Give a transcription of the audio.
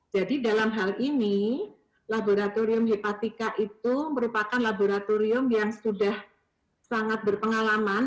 jadi dalam hal ini laboratorium hepatika itu merupakan laboratorium yang sudah sangat berpengalaman